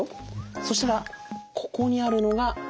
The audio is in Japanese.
そしたらここにあるのが食道。